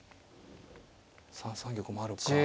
３三玉もあるか。